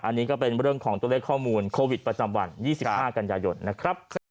อันนี้ก็เป็นเรื่องของตัวเลขข้อมูลโควิดประจำวัน๒๕กันยายนนะครับ